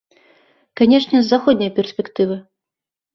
Канечне, з заходняй перспектывы.